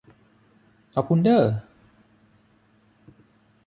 ขอบคุณเด้อ